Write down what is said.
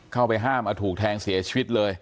เข้าไปห้ามถูกแทงเสียชีวิตเลย